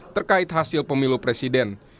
terkait hasil pemilu presiden